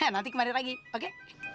nanti kemarin lagi oke